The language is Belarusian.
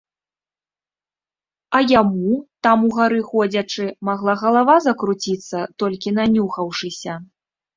А яму, там угары ходзячы, магла галава закруціцца толькі нанюхаўшыся.